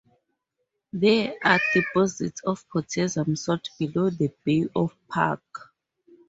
There are deposits of potassium salt below the Bay of Puck.